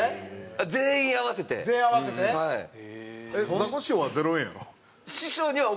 ザコシショウは０円やろ？